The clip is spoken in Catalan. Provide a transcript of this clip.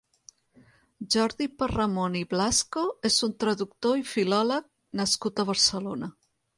Jordi Parramon i Blasco és un traductor i filòleg nascut a Barcelona.